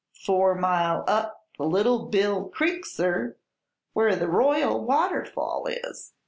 "Four mile up the Little Bill Creek, sir, where the Royal Waterfall is.